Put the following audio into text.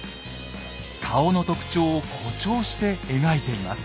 顔の特徴を誇張して描いています。